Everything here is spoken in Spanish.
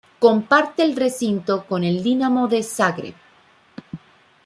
Comparte el recinto con el Dinamo de Zagreb.